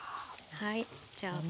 はいじゃあ皮。